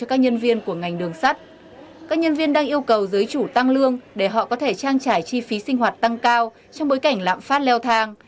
các nhân viên đang yêu cầu giới chủ tăng lương để họ có thể trang trải chi phí sinh hoạt tăng cao trong bối cảnh lạm phát leo thang